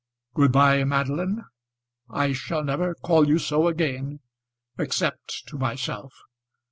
"Good bye, Madeline. I shall never call you so again, except to myself.